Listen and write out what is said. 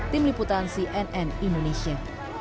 tim liputan cnn indonesia